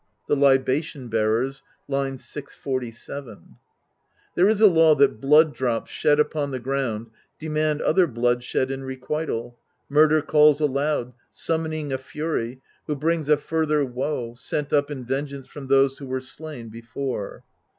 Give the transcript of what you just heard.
— The Libation Bearers, /. 647. " There is a law that blood drops shed upon the ground demand other bloodshed in requital : Murder calls aloud, summoning a Fury, who brings a further woe, sent up in vengeance from those who were slain before.